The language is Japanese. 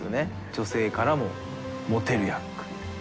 女性からもモテる役。